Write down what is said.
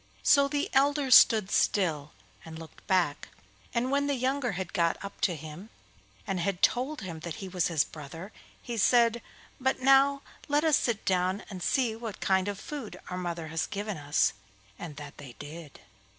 So the elder stood still and looked back, and when the younger had got up to him, and had told him that he was his brother, he said: 'But now, let us sit down and see what kind of food our mother has given us,' and that they did.